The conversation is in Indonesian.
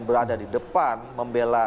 berada di depan membela